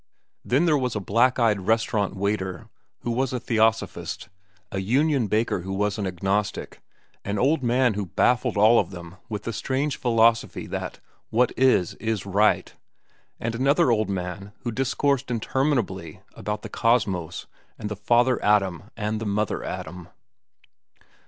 Then there was a black eyed restaurant waiter who was a theosophist, a union baker who was an agnostic, an old man who baffled all of them with the strange philosophy that what is is right, and another old man who discoursed interminably about the cosmos and the father atom and the mother atom.